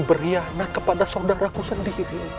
berianah kepada saudaraku sendiri